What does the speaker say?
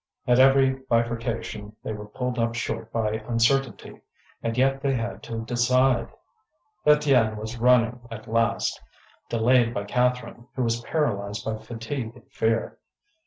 At every bifurcation they were pulled up short by uncertainty, and yet they had to decide. Étienne was running last, delayed by Catherine, who was paralysed by fatigue and fear.